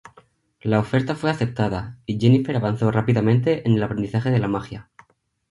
La oferta fue aceptada, y Jennifer avanzó rápidamente en el aprendizaje de la magia.